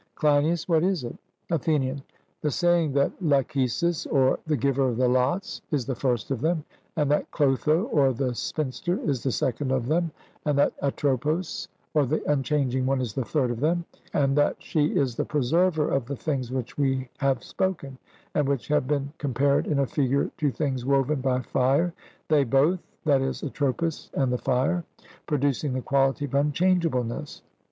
CLEINIAS: What is it? ATHENIAN: The saying that Lachesis or the giver of the lots is the first of them, and that Clotho or the spinster is the second of them, and that Atropos or the unchanging one is the third of them; and that she is the preserver of the things which we have spoken, and which have been compared in a figure to things woven by fire, they both (i.e. Atropos and the fire) producing the quality of unchangeableness.